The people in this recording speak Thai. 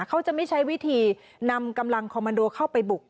เขาจะไม่ใช้วิธีนำกำลังคอมมันโดเข้าไปบุก